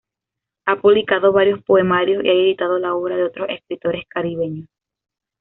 Ha publicado varios poemarios y ha editado la obra de otros escritores caribeños.